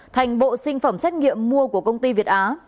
thành bộ sinh phẩm xét nghiệm mua của công ty việt á